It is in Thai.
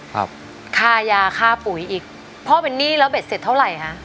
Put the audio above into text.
ค่ายาค่าปุ๋ยอีกพ่อเป็นหนี้แล้วเบ็ดเสร็จเท่าไหร่คะ